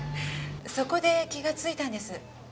そこで気がついたんです。